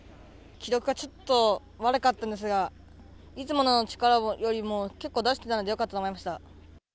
記録はちょっと悪かったんですが、いつもの力よりも結構出してたんで、よかったと思いました。